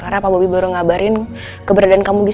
karna pak boby baru ngabarin keberadaan kamu disini